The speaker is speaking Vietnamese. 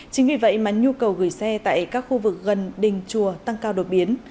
chính vì vậy mà nhu cầu gửi xe tại các khu vực gần đình chùa tăng cao đột biến